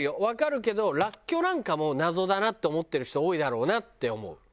わかるけどらっきょうなんかも謎だなって思ってる人多いだろうなって思う。